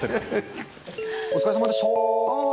お疲れさまでした。